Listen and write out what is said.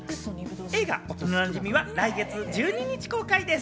映画『おとななじみ』は来月１２日公開です。